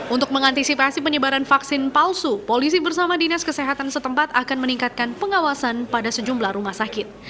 untuk mengantisipasi penyebaran vaksin palsu polisi bersama dinas kesehatan setempat akan meningkatkan pengawasan pada sejumlah rumah sakit